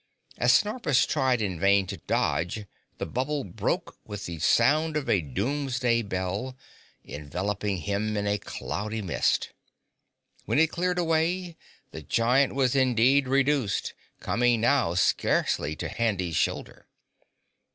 As Snorpus tried in vain to dodge, the bubble broke with the sound like a doomsday bell, enveloping him in a cloudy mist. When it cleared away, the Giant was indeed reduced, coming now scarcely to Handy's shoulder.